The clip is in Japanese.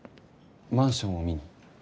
マンションを見に？